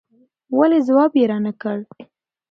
ولې ځواب يې را نه کړ